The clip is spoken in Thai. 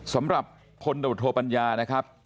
สำหรับพลโดโทปัญญานะครับ